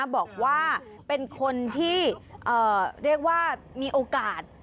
บอกว่าเป็นคนที่เรียกว่ามีโอกาส